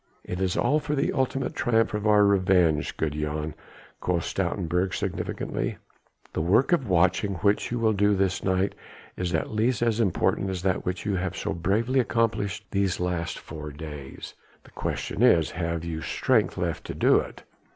"It is all for the ultimate triumph of our revenge, good Jan," quoth Stoutenburg significantly, "the work of watching which you will do this night is at least as important as that which you have so bravely accomplished these past four days. The question is, have you strength left to do it?"